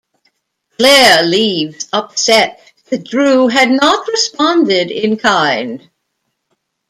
Claire leaves upset that Drew had not responded in kind.